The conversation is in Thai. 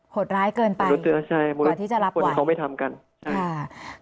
หดร้ายเกินไปก่อนที่จะรับไหวใช่มนุษย์ที่เขาไม่ทำกัน